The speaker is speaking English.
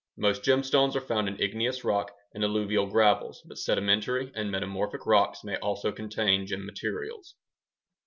Most gemstones are found in igneous rocks and alluvial gravels, but sedimentary and metamorphic rocks may also contain gem materials.